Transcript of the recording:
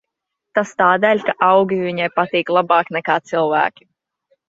Tas tādēļ, ka augi viņai patīk labāk nekā cilvēki.